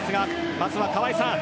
まずは川合さん